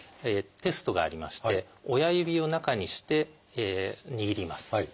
テストがありまして親指を中にして握ります。